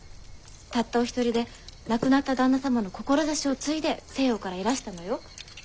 たったお一人で亡くなった旦那様の志を継いで西洋からいらしたのよ。